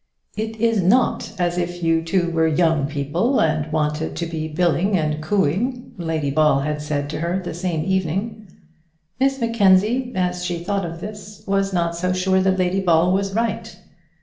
"It is not as if you two were young people, and wanted to be billing and cooing," Lady Ball had said to her the same evening. Miss Mackenzie, as she thought of this, was not so sure that Lady Ball was right.